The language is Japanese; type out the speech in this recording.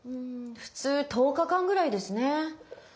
普通１０日間ぐらいですね。